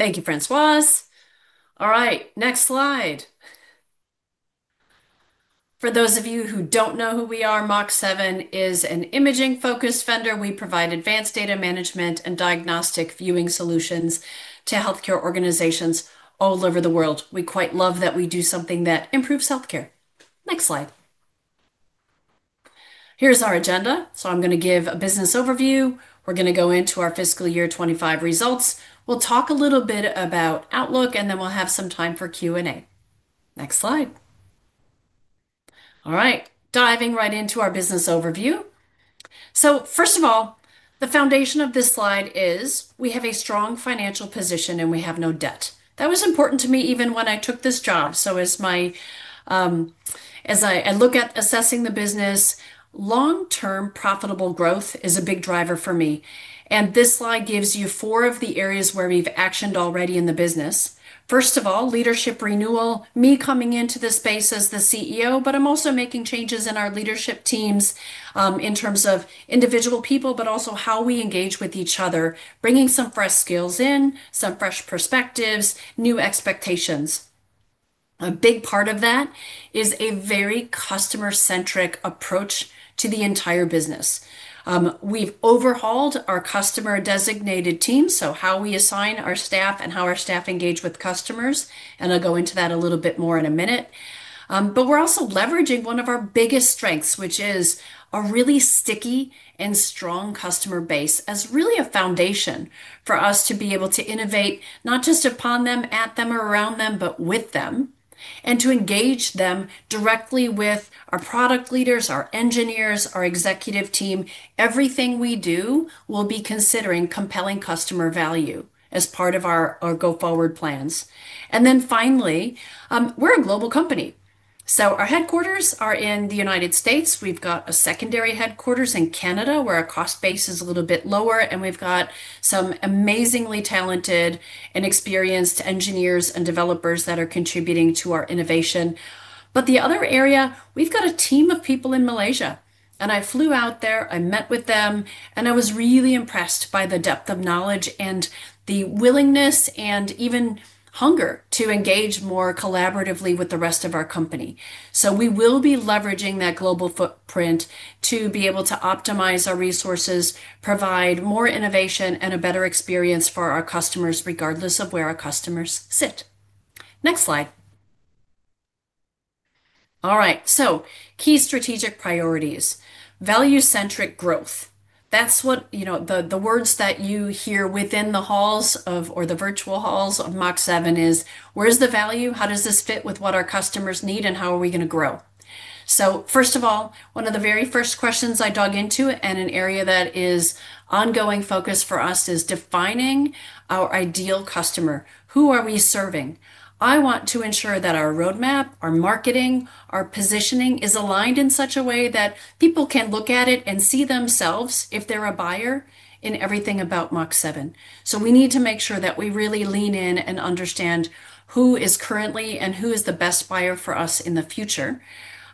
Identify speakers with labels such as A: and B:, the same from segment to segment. A: Thank you, Françoise. All right, next slide. For those of you who don't know who we are, Mach7 is an imaging-focused vendor. We provide advanced data management and diagnostic viewing solutions to healthcare organizations all over the world. We quite love that we do something that improves healthcare. Next slide. Here's our agenda. I'm going to give a business overview. We're going to go into our Fiscal Year 2025 Results. We'll talk a little bit about outlook, and then we'll have some time for Q&A. Next slide. All right, diving right into our business overview. First of all, the foundation of this slide is we have a strong financial position and we have no debt. That was important to me even when I took this job. As I look at assessing the business, long-term profitable growth is a big driver for me. This slide gives you four of the areas where we've actioned already in the business. First of all, leadership renewal, me coming into this space as the CEO, but I'm also making changes in our leadership teams in terms of individual people, but also how we engage with each other, bringing some fresh skills in, some fresh perspectives, new expectations. A big part of that is a very customer-centric approach to the entire business. We've overhauled our customer-designated team, so how we assign our staff and how our staff engage with customers, and I'll go into that a little bit more in a minute. We're also leveraging one of our biggest strengths, which is a really sticky and strong customer base as really a foundation for us to be able to innovate not just upon them, at them, or around them, but with them, and to engage them directly with our product leaders, our engineers, our executive team. Everything we do will be considering compelling customer value as part of our go-forward plans. Finally, we're a global company. Our headquarters are in the United States. We've got a secondary headquarters in Canada where our cost base is a little bit lower, and we've got some amazingly talented and experienced engineers and developers that are contributing to our innovation. The other area, we've got a team of people in Malaysia, and I flew out there, I met with them, and I was really impressed by the depth of knowledge and the willingness and even hunger to engage more collaboratively with the rest of our company. We will be leveraging that global footprint to be able to optimize our resources, provide more innovation, and a better experience for our customers, regardless of where our customers sit. Next slide. All right, key strategic priorities. Value-centric growth. That's what, you know, the words that you hear within the halls of, or the virtual halls of Mach7 is, where's the value? How does this fit with what our customers need and how are we going to grow? First of all, one of the very first questions I dug into and an area that is ongoing focus for us is defining our ideal customer. Who are we serving? I want to ensure that our roadmap, our marketing, our positioning is aligned in such a way that people can look at it and see themselves if they're a buyer in everything about Mach7. We need to make sure that we really lean in and understand who is currently and who is the best buyer for us in the future,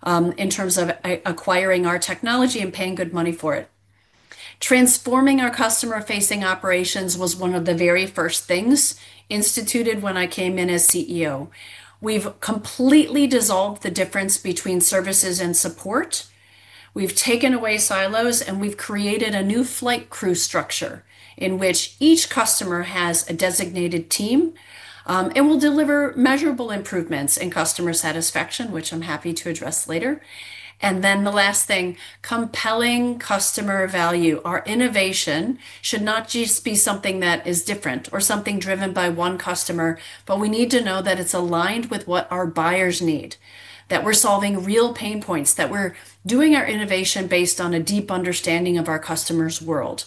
A: in terms of acquiring our technology and paying good money for it. Transforming our customer-facing operations was one of the very first things instituted when I came in as CEO. We've completely dissolved the difference between services and support. We've taken away silos and we've created a new flight crew engagement model in which each customer has a designated team, and will deliver measurable improvements in customer satisfaction, which I'm happy to address later. The last thing, compelling customer value. Our innovation should not just be something that is different or something driven by one customer, but we need to know that it's aligned with what our buyers need, that we're solving real pain points, that we're doing our innovation based on a deep understanding of our customer's world.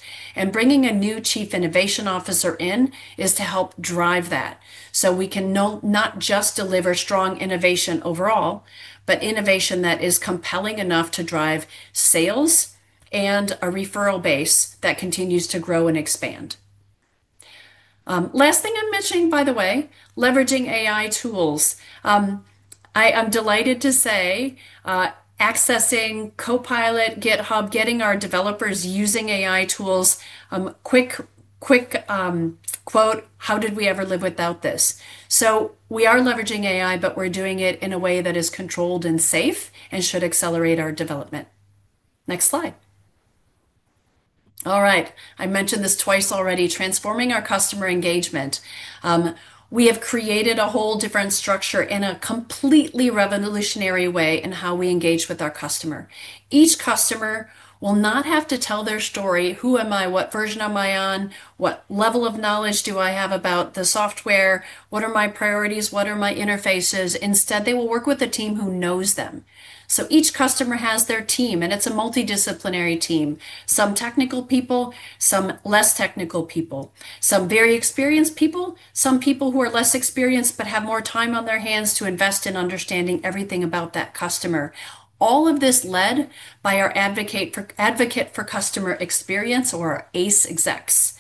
A: Bringing a new Chief Innovation Officer in is to help drive that. We can not just deliver strong innovation overall, but innovation that is compelling enough to drive sales and a referral base that continues to grow and expand. Last thing I'm mentioning, by the way, leveraging AI tools. I am delighted to say accessing GitHub Copilot, getting our developers using AI tools, quick, quick quote, how did we ever live without this? We are leveraging AI, but we're doing it in a way that is controlled and safe and should accelerate our development. Next slide. All right, I mentioned this twice already, transforming our customer engagement. We have created a whole different structure in a completely revolutionary way in how we engage with our customer. Each customer will not have to tell their story. Who am I? What version am I on? What level of knowledge do I have about the software? What are my priorities? What are my interfaces? Instead, they will work with a team who knows them. Each customer has their team, and it's a multidisciplinary team. Some technical people, some less technical people, some very experienced people, some people who are less experienced but have more time on their hands to invest in understanding everything about that customer. All of this is led by our Advocate for Customer Experience or ACE execs.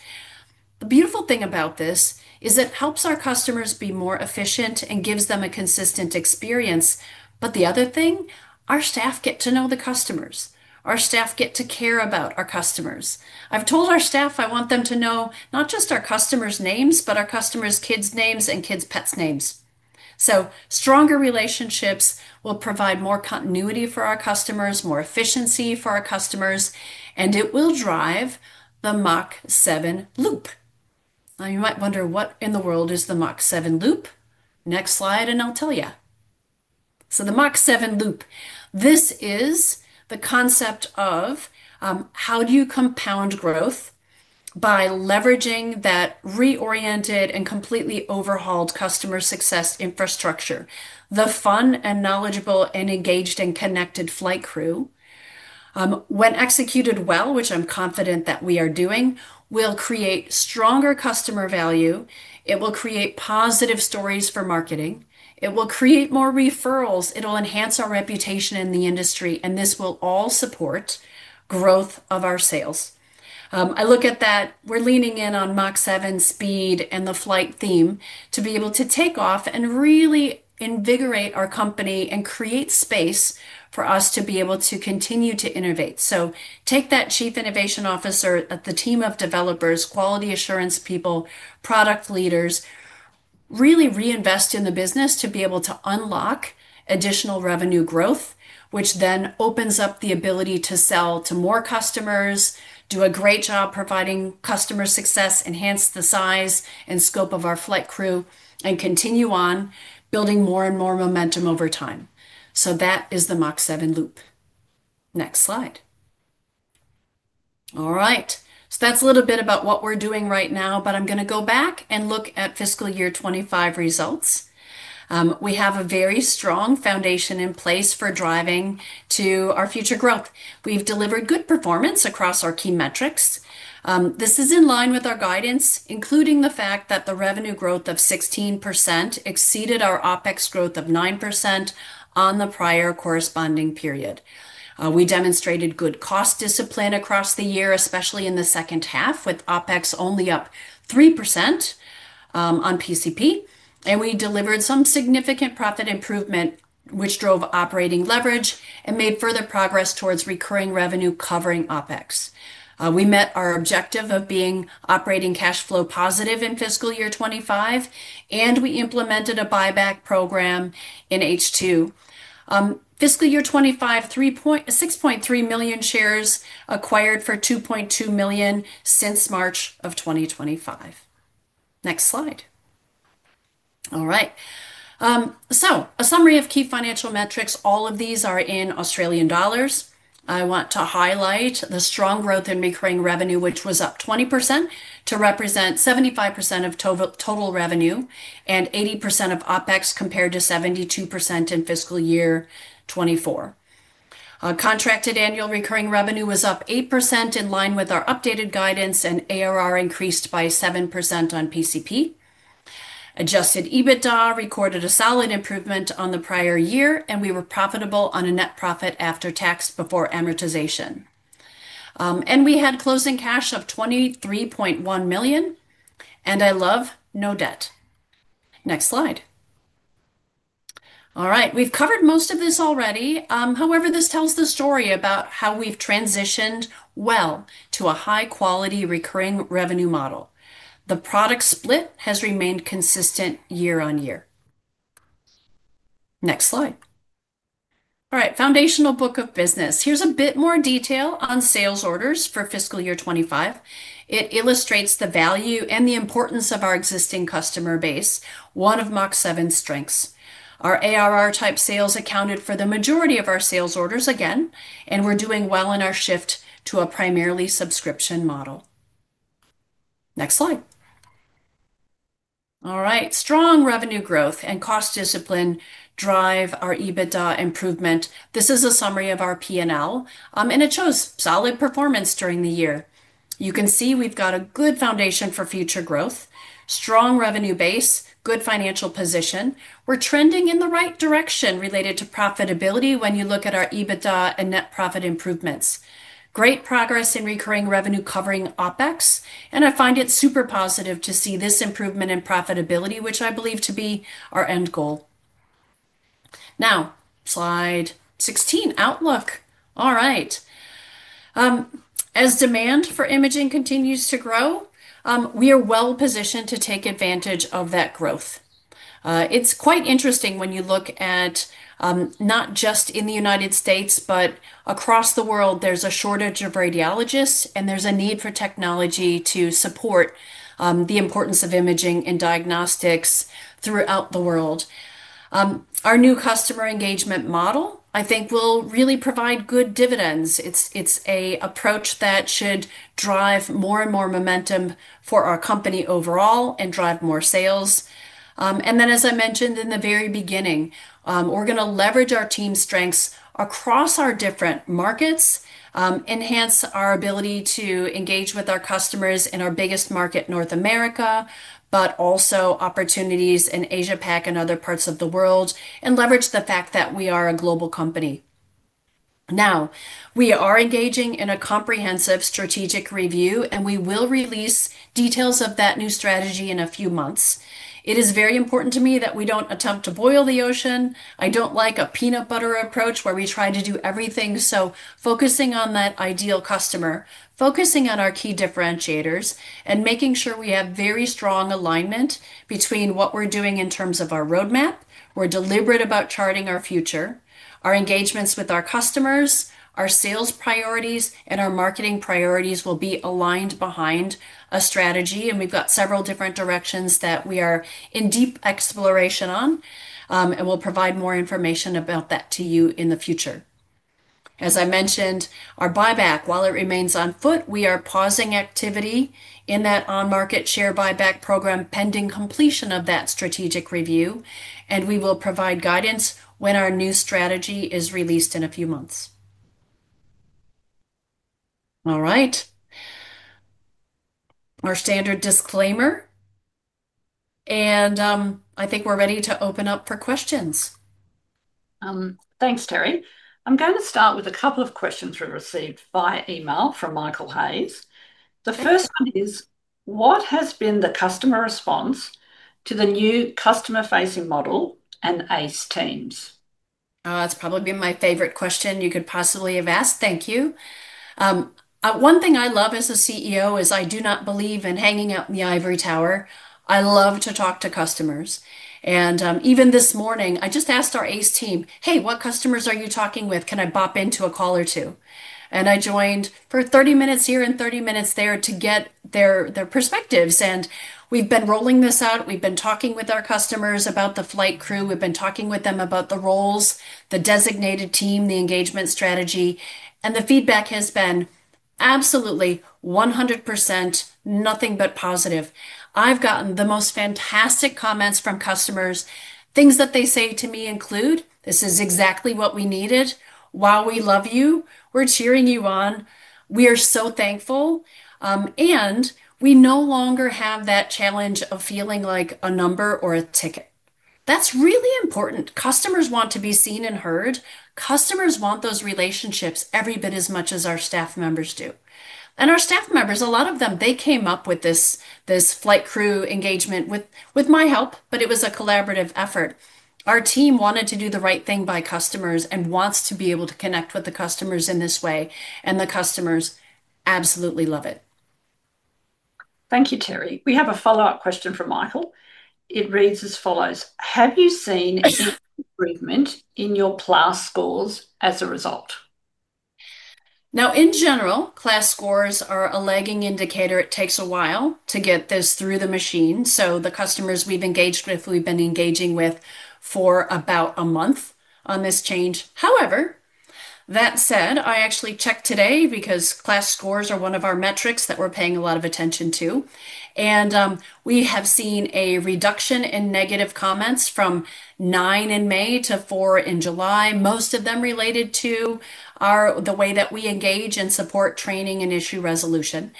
A: The beautiful thing about this is it helps our customers be more efficient and gives them a consistent experience. The other thing is our staff get to know the customers. Our staff get to care about our customers. I've told our staff I want them to know not just our customers' names, but our customers' kids' names and kids' pets' names. Stronger relationships will provide more continuity for our customers, more efficiency for our customers, and it will drive the Mach7 Loop. You might wonder what in the world is the Mach7 Loop. Next slide, and I'll tell you. The Mach7 Loop is the concept of how you compound growth by leveraging that reoriented and completely overhauled customer success infrastructure. The fun and knowledgeable and engaged and connected flight crew, when executed well, which I'm confident that we are doing, will create stronger customer value. It will create positive stories for marketing. It will create more referrals. It will enhance our reputation in the industry, and this will all support the growth of our sales. I look at that. We're leaning in on Mach7 speed and the flight theme to be able to take off and really invigorate our company and create space for us to be able to continue to innovate. Take that Chief Innovation Officer at the team of developers, quality assurance people, product leaders, really reinvest in the business to be able to unlock additional revenue growth, which then opens up the ability to sell to more customers, do a great job providing customer success, enhance the size and scope of our flight crew, and continue on building more and more momentum over time. That is the Mach7 Loop. Next slide. That's a little bit about what we're doing right now, but I'm going to go back and look at fiscal year 2025 results. We have a very strong foundation in place for driving to our future growth. We've delivered good performance across our key metrics. This is in line with our guidance, including the fact that the revenue growth of 16% exceeded our OpEx growth of 9% on the prior corresponding period. We demonstrated good cost discipline across the year, especially in the second half, with OpEx only up 3% on PCP. We delivered some significant profit improvement, which drove operating leverage and made further progress towards recurring revenue covering OpEx. We met our objective of being operating cash flow positive in fiscal year 2025, and we implemented a share buyback program in H2. Fiscal year 2025, 6.3 million shares acquired for $2.2 million since March of 2025. Next slide. All right. A summary of key financial metrics. All of these are in Australian dollars. I want to highlight the strong growth in recurring revenue, which was up 20% to represent 75% of total revenue and 80% of OpEx compared to 72% in fiscal year 2024. Contracted annual recurring revenue was up 8% in line with our updated guidance, and ARR increased by 7% on PCP. Adjusted EBITDA recorded a solid improvement on the prior year, and we were profitable on a net profit after tax before amortization. We had closing cash of 23.1 million. I love no debt. Next slide. All right. We've covered most of this already. However, this tells the story about how we've transitioned well to a high-quality recurring revenue model. The product split has remained consistent year on year. Next slide. All right. Foundational book of business. Here's a bit more detail on sales orders for fiscal year 2025. It illustrates the value and the importance of our existing customer base, one of Mach7's strengths. Our ARR-type sales accounted for the majority of our sales orders again, and we're doing well in our shift to a primarily subscription model. Next slide. All right. Strong revenue growth and cost discipline drive our EBITDA improvement. This is a summary of our P&L, and it shows solid performance during the year. You can see we've got a good foundation for future growth, strong revenue base, good financial position. We're trending in the right direction related to profitability when you look at our EBITDA and net profit improvements. Great progress in recurring revenue covering OpEx, and I find it super positive to see this improvement in profitability, which I believe to be our end goal. Now, slide 16, outlook. All right. As demand for imaging continues to grow, we are well positioned to take advantage of that growth. It's quite interesting when you look at not just in the United States, but across the world, there's a shortage of radiologists, and there's a need for technology to support the importance of imaging and diagnostics throughout the world. Our new customer engagement model, I think, will really provide good dividends. It's an approach that should drive more and more momentum for our company overall and drive more sales. As I mentioned in the very beginning, we're going to leverage our team's strengths across our different markets, enhance our ability to engage with our customers in our biggest market, North America, but also opportunities in Asia-Pac and other parts of the world, and leverage the fact that we are a global company. Now, we are engaging in a comprehensive strategic review, and we will release details of that new strategy in a few months. It is very important to me that we don't attempt to boil the ocean. I don't like a peanut butter approach where we try to do everything. Focusing on that ideal customer, focusing on our key differentiators, and making sure we have very strong alignment between what we're doing in terms of our roadmap. We're deliberate about charting our future. Our engagements with our customers, our sales priorities, and our marketing priorities will be aligned behind a strategy, and we've got several different directions that we are in deep exploration on, and we'll provide more information about that to you in the future. As I mentioned, our buyback, while it remains on foot, we are pausing activity in that on-market share buyback program pending completion of that strategic review, and we will provide guidance when our new strategy is released in a few months. All right. Our standard disclaimer, and I think we're ready to open up for questions.
B: Thanks, Teri. I'm going to start with a couple of questions we received via email from Michael Hayes. The first is, what has been the customer response to the new customer-facing model and ACE teams?
A: Oh, that's probably been my favorite question you could possibly have asked. Thank you. One thing I love as a CEO is I do not believe in hanging out in the ivory tower. I love to talk to customers. Even this morning, I just asked our ACE team, "Hey, what customers are you talking with? Can I bop into a call or two?" I joined for 30 minutes here and 30 minutes there to get their perspectives. We have been rolling this out. We have been talking with our customers about the flight crew. We have been talking with them about the roles, the designated team, the engagement strategy, and the feedback has been absolutely 100% nothing but positive. I've gotten the most fantastic comments from customers. Things that they say to me include, "This is exactly what we needed." "Wow, we love you. We're cheering you on. We are so thankful." We no longer have that challenge of feeling like a number or a ticket. That's really important. Customers want to be seen and heard. Customers want those relationships every bit as much as our staff members do. Our staff members, a lot of them, they came up with this flight crew engagement with my help, but it was a collaborative effort. Our team wanted to do the right thing by customers and wants to be able to connect with the customers in this way, and the customers absolutely love it.
B: Thank you, Teri. We have a follow-up question from Michael. It reads as follows: Have you seen improvement in your KLAS scores as a result?
A: Now, in general, KLAS scores are a lagging indicator. It takes a while to get this through the machine. The customers we've engaged with, we've been engaging with for about a month on this change. However, that said, I actually checked today because KLAS scores are one of our metrics that we're paying a lot of attention to. We have seen a reduction in negative comments from nine in May to four in July, most of them related to the way that we engage and support training and issue resolution.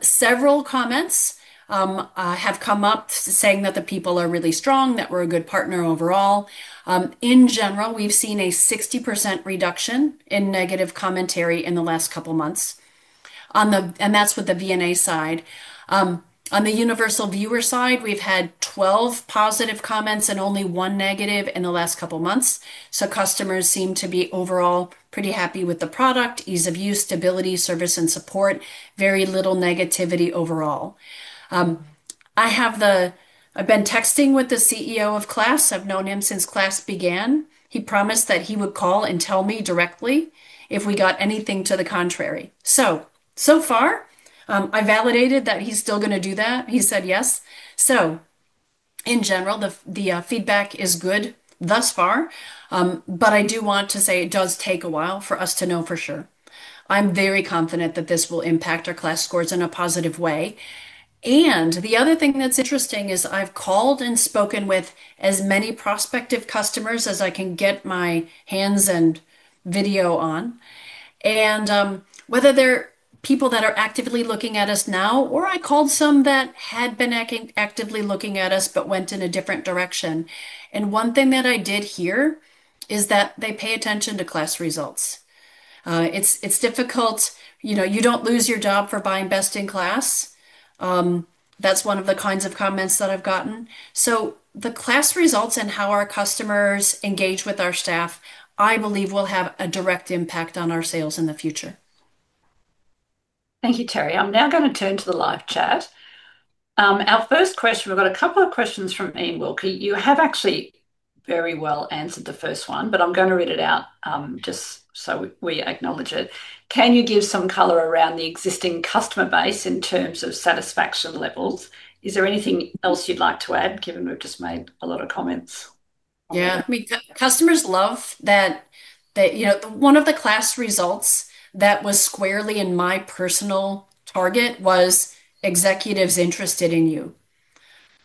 A: Several comments have come up saying that the people are really strong, that we're a good partner overall. In general, we've seen a 60% reduction in negative commentary in the last couple of months. That's with the Vendor Neutral Archive side. On the universal viewer side, we've had 12 positive comments and only one negative in the last couple of months. Customers seem to be overall pretty happy with the product, ease of use, stability, service, and support. Very little negativity overall. I've been texting with the CEO of KLAS. I've known him since KLAS began. He promised that he would call and tell me directly if we got anything to the contrary. So far, I validated that he's still going to do that. He said yes. In general, the feedback is good thus far, but I do want to say it does take a while for us to know for sure. I'm very confident that this will impact our KLAS scores in a positive way. The other thing that's interesting is I've called and spoken with as many prospective customers as I can get my hands and video on. Whether they're people that are actively looking at us now, or I called some that had been actively looking at us but went in a different direction. One thing that I did hear is that they pay attention to KLAS results. It's difficult. You know, you don't lose your job for buying best in class. That's one of the kinds of comments that I've gotten. The KLAS results and how our customers engage with our staff, I believe, will have a direct impact on our sales in the future.
B: Thank you, Teri. I'm now going to turn to the live chat. Our first question, we've got a couple of questions from Iain Wilkie. You have actually very well answered the first one, but I'm going to read it out just so we acknowledge it. Can you give some color around the existing customer base in terms of satisfaction levels? Is there anything else you'd like to add, given we've just made a lot of comments?
A: Yeah, I mean, customers love that. One of the KLAS results that was squarely in my personal target was executives interested in you.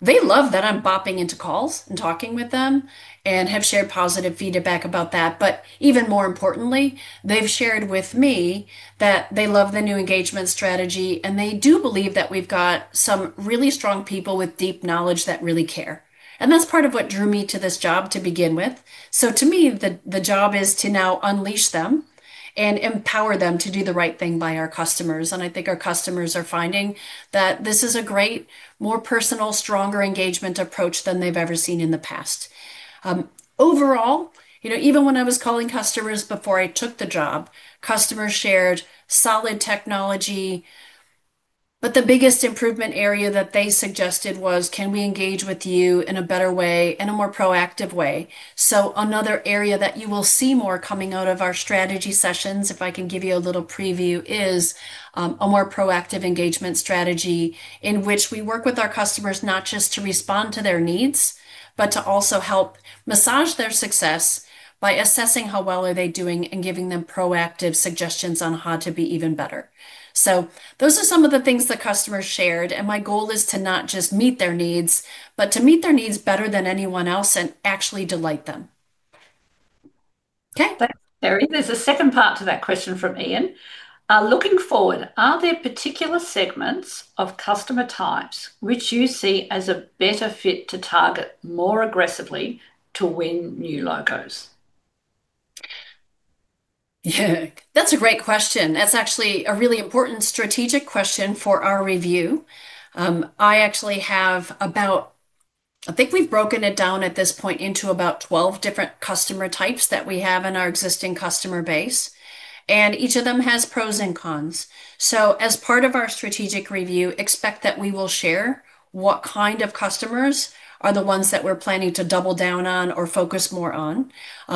A: They love that I'm bopping into calls and talking with them and have shared positive feedback about that. Even more importantly, they've shared with me that they love the new engagement strategy, and they do believe that we've got some really strong people with deep knowledge that really care. That's part of what drew me to this job to begin with. To me, the job is to now unleash them and empower them to do the right thing by our customers. I think our customers are finding that this is a great, more personal, stronger engagement approach than they've ever seen in the past. Overall, even when I was calling customers before I took the job, customers shared solid technology. The biggest improvement area that they suggested was, can we engage with you in a better way, in a more proactive way? Another area that you will see more coming out of our strategy sessions, if I can give you a little preview, is a more proactive engagement strategy in which we work with our customers not just to respond to their needs, but to also help massage their success by assessing how well are they doing and giving them proactive suggestions on how to be even better. Those are some of the things the customers shared. My goal is to not just meet their needs, but to meet their needs better than anyone else and actually delight them.
B: Okay, Teri, there's a second part to that question from Iain. Looking forward, are there particular segments of customer types which you see as a better fit to target more aggressively to win new logos?
A: Yeah, that's a great question. That's actually a really important strategic question for our review. I think we've broken it down at this point into about 12 different customer types that we have in our existing customer base, and each of them has pros and cons. As part of our strategic review, expect that we will share what kind of customers are the ones that we're planning to double down on or focus more on,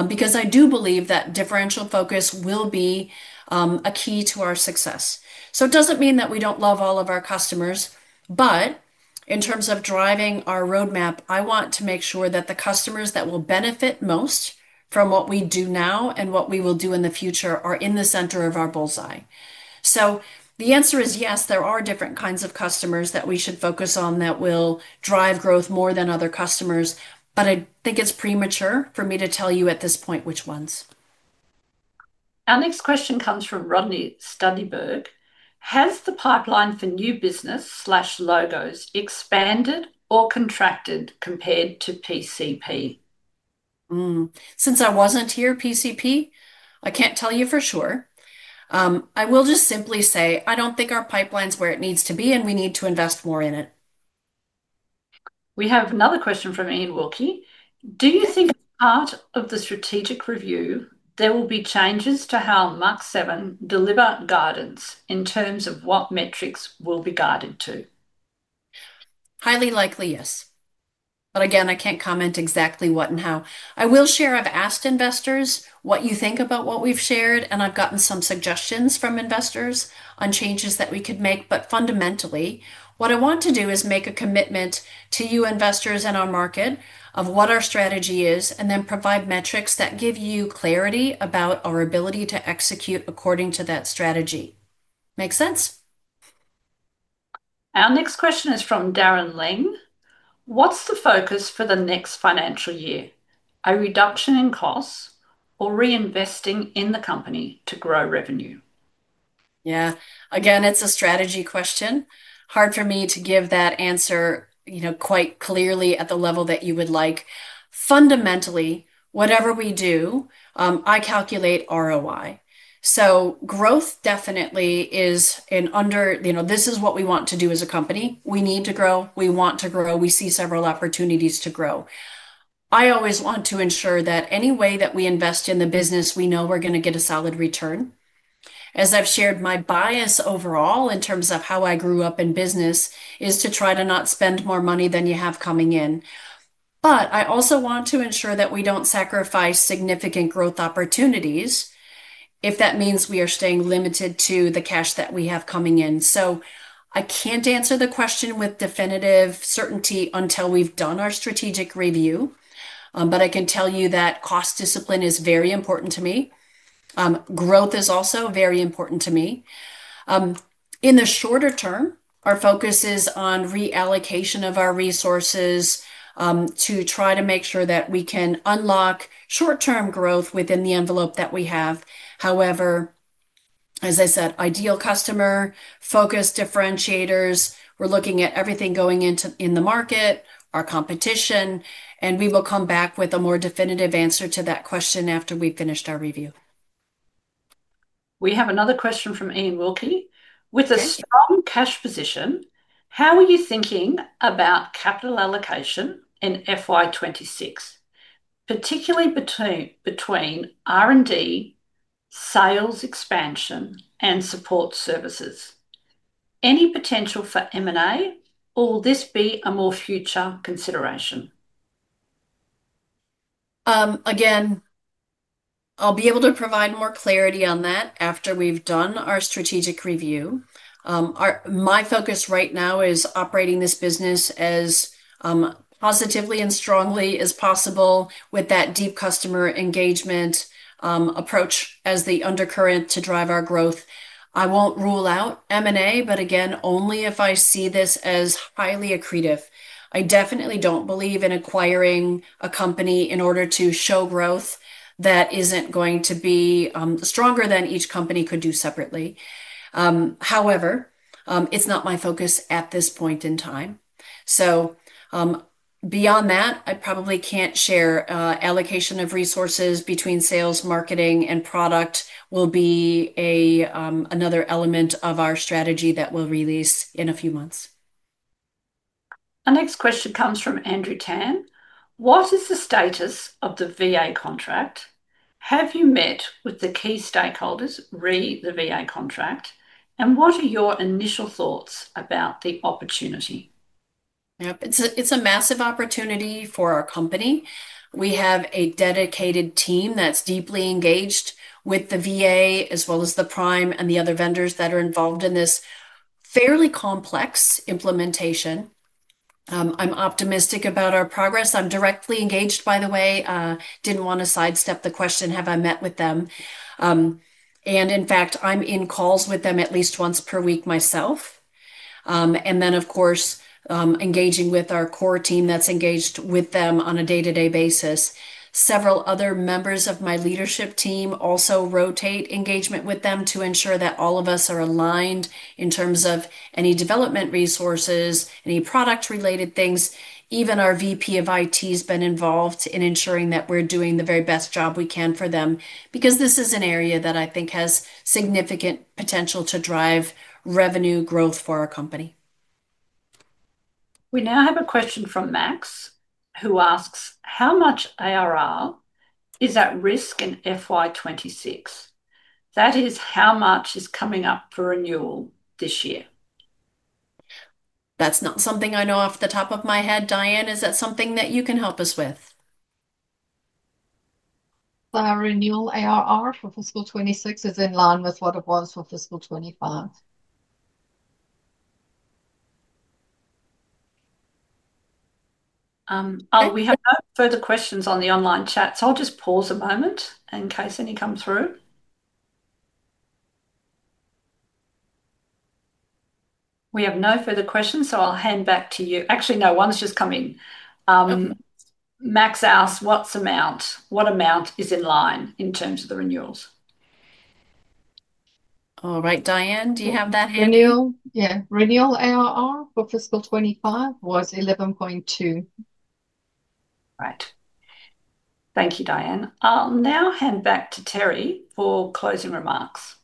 A: because I do believe that differential focus will be a key to our success. It doesn't mean that we don't love all of our customers, but in terms of driving our roadmap, I want to make sure that the customers that will benefit most from what we do now and what we will do in the future are in the center of our bullseye. The answer is yes, there are different kinds of customers that we should focus on that will drive growth more than other customers. I think it's premature for me to tell you at this point which ones.
B: Our next question comes from Rodney Studyberg. Has the pipeline for new business slash logos expanded or contracted compared to PCP?
A: Since I wasn't here at PCP, I can't tell you for sure. I will just simply say I don't think our pipeline is where it needs to be, and we need to invest more in it.
B: We have another question from Iain Wilkie. Do you think part of the strategic review, there will be changes to how Mach7 deliver guidance in terms of what metrics will be guided to?
A: Highly likely, yes. I can't comment exactly what and how. I will share I've asked investors what you think about what we've shared, and I've gotten some suggestions from investors on changes that we could make. Fundamentally, what I want to do is make a commitment to you investors in our market of what our strategy is and then provide metrics that give you clarity about our ability to execute according to that strategy. Makes sense?
B: Our next question is from Darren Ling. What's the focus for the next financial year? A reduction in costs or reinvesting in the company to grow revenue?
A: Yeah, again, it's a strategy question. Hard for me to give that answer, you know, quite clearly at the level that you would like. Fundamentally, whatever we do, I calculate ROI. Growth definitely is in under, you know, this is what we want to do as a company. We need to grow. We want to grow. We see several opportunities to grow. I always want to ensure that any way that we invest in the business, we know we're going to get a solid return. As I've shared, my bias overall in terms of how I grew up in business is to try to not spend more money than you have coming in. I also want to ensure that we don't sacrifice significant growth opportunities if that means we are staying limited to the cash that we have coming in. I can't answer the question with definitive certainty until we've done our strategic review. I can tell you that cost discipline is very important to me. Growth is also very important to me. In the shorter term, our focus is on reallocation of our resources to try to make sure that we can unlock short-term growth within the envelope that we have. However, as I said, ideal customer focus differentiators, we're looking at everything going into the market, our competition, and we will come back with a more definitive answer to that question after we've finished our review.
B: We have another question from Iain Wilkie. With a strong cash position, how are you thinking about capital allocation in FY 2026, particularly between R&D, sales expansion, and support services? Any potential for M&A or will this be a more future consideration?
A: Again, I'll be able to provide more clarity on that after we've done our strategic review. My focus right now is operating this business as positively and strongly as possible with that deep customer engagement approach as the undercurrent to drive our growth. I won't rule out M&A, but again, only if I see this as highly accretive. I definitely don't believe in acquiring a company in order to show growth that isn't going to be stronger than each company could do separately. However, it's not my focus at this point in time. Beyond that, I probably can't share allocation of resources between sales, marketing, and product will be another element of our strategy that we'll release in a few months.
B: Our next question comes from Andrew Tan. What is the status of the VA contract? Have you met with the key stakeholders who read the VA contract? What are your initial thoughts about the opportunity?
A: Yep, it's a massive opportunity for our company. We have a dedicated team that's deeply engaged with the VA as well as the Prime and the other vendors that are involved in this fairly complex implementation. I'm optimistic about our progress. I'm directly engaged, by the way. Didn't want to sidestep the question, have I met with them? In fact, I'm in calls with them at least once per week myself. Of course, engaging with our core team that's engaged with them on a day-to-day basis. Several other members of my leadership team also rotate engagement with them to ensure that all of us are aligned in terms of any development resources, any product-related things. Even our VP of IT has been involved in ensuring that we're doing the very best job we can for them because this is an area that I think has significant potential to drive revenue growth for our company.
B: We now have a question from Max, who asks, how much annual recurring revenue (ARR) is at risk in fiscal year 2026? That is, how much is coming up for renewal this year?
A: That's not something I know off the top of my head, Dyan. Is that something that you can help us with?
C: Our renewal ARR for fiscal 2026 is in line with what it was for fiscal 2025.
B: We have no further questions on the online chat, so I'll just pause a moment in case any come through. We have no further questions, so I'll hand back to you. Actually, no, one's just come in. Max asks, what's the amount? What amount is in line in terms of the renewals?
A: All right, Dyan, do you have that handy?
C: Yeah, renewal ARR for fiscal 2025 was $11.2 million.
A: Right.
B: Thank you, Dyan. I'll now hand back to Teri for closing remarks.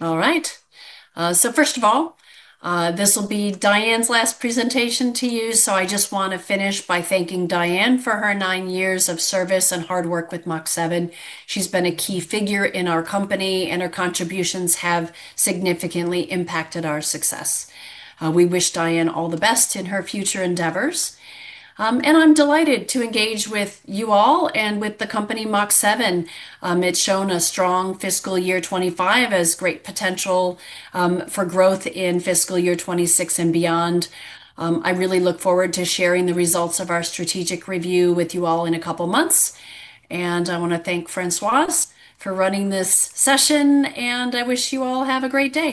A: All right. First of all, this will be Dyan's last presentation to you, so I just want to finish by thanking Dyan for her nine years of service and hard work with Mach7. She's been a key figure in our company, and her contributions have significantly impacted our success. We wish Dyan all the best in her future endeavors. I'm delighted to engage with you all and with the company Mach7. It's shown a strong fiscal year 2025 and has great potential for growth in fiscal year 2026 and beyond. I really look forward to sharing the results of our strategic review with you all in a couple of months. I want to thank Françoise for running this session, and I wish you all have a great day.